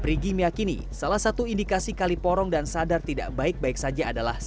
perigi meyakini salah satu indikasi kali porong dan sadar tidak baik baik saja adalah